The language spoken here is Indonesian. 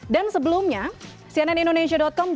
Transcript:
dan sebelumnya cnn indonesia com juga membuat